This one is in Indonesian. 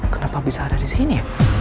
kenapa bisa ada di sini